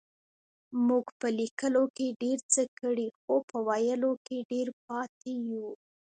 مونږ په لکيلو کې ډير څه کړي خو په ويلو کې ډير پاتې يو.